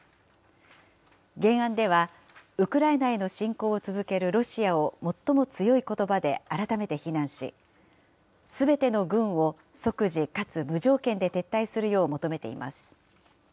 原案では、ウクライナへの侵攻を続けるロシアを、最も強いことばで改めて非難し、すべての軍を即時かつ無条件で撤退するよう求めています。